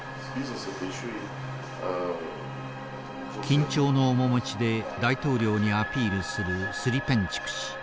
緊張の面持ちで大統領にアピールするスリペンチュク氏。